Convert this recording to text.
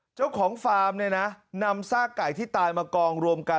เจ้าของฟาร์มเนี่ยนะนำซากไก่ที่ตายมากองรวมกัน